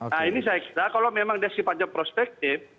nah ini saya kira kalau memang deskripsi panjang perspektif